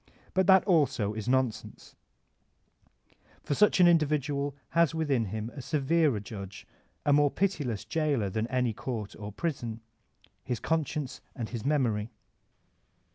But that alio is l88 VOLTAIRINE DC ClEYKE nonsense; for such an tndividtial has within him a severer judge, a more pitiless jailer than any court or prison, — his conscience and his memory.